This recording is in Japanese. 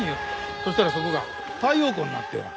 そしたらそこが太陽光になったんや。